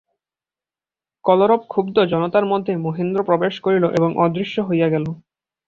কলরবক্ষুদ্ধ জনতার মধ্যে মহেন্দ্র প্রবেশ করিল এবং অদৃশ্য হইয়া গেল।